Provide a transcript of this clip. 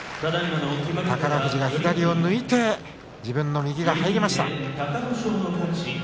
宝富士が左を抜いて自分の右が入りました。